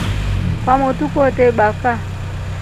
Kwamotu kwetre baka.